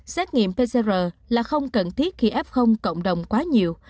xét nghiệm pcr là không cần thiết khi f cộng đồng quá nhiều